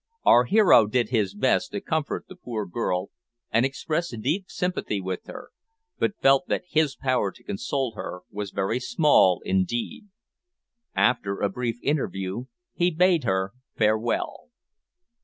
Our hero did his best to comfort the poor girl, and expressed deep sympathy with her, but felt that his power to console was very small indeed. After a brief interview he bade her farewell.